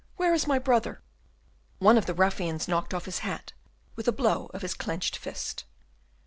where is my brother?" One of the ruffians knocked off his hat with a blow of his clenched fist.